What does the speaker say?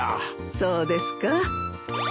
そうですか。